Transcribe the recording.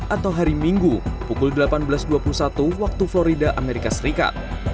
atau hari minggu pukul delapan belas dua puluh satu waktu florida amerika serikat